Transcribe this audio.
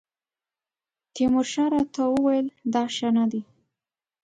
تیمورشاه راته وویل دا ښه نه دی.